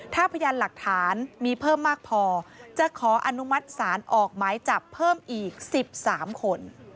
ถ้าพยานหลักฐานมีเพิ่มมากพอจะขออนุมัติศาลออกหมายจับเพิ่มอีก๑๓คน